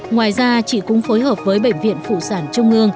ngoài ra chị cũng phối hợp với bệnh viện phụ sản